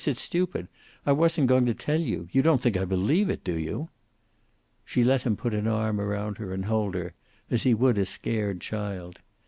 It's stupid. I wasn't going to tell you. You don't think I believe it, do you?" She let him put an arm around her and hold her, as he would a scared child.